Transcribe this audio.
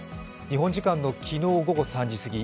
日本時間の昨日午後３時すぎ